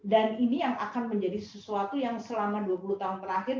dan ini yang akan menjadi sesuatu yang selama dua puluh tahun terakhir